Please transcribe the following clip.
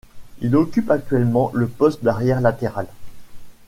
Il occupe actuellement le poste d'arrière latéral.